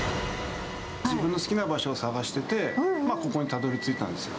自分の好きな場所を探してて、ここにたどりついたんですよ。